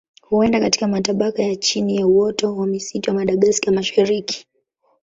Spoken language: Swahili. Huenda katika matabaka ya chini ya uoto wa misitu ya Madagaska ya Mashariki.